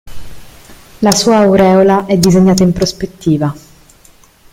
La sua aureola è disegnata in prospettiva.